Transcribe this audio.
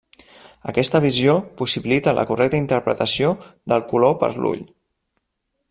Aquesta visió possibilita la correcta interpretació del color per l'ull.